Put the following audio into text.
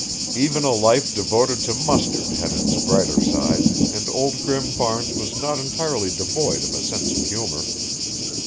Even a life devoted to mustard has its brighter side and Old Grim Barnes was not entirely devoid of a sense of humor.